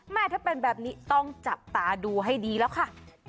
ถ้าเป็นแบบนี้ต้องจับตาดูให้ดีแล้วค่ะ